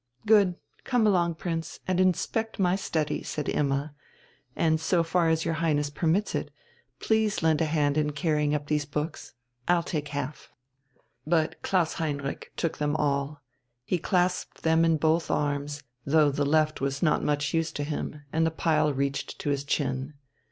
"Good; come along, Prince, and inspect my study," said Imma. "And so far as your Highness permits it, please lend a hand in carrying up these books; I'll take half." But Klaus Heinrich took them all. He clasped them in both arms, though the left was not much use to him, and the pile reached to his chin.